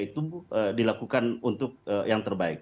itu dilakukan untuk yang terbaik